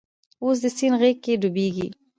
اوس د سیند غیږ کې ډوبیږې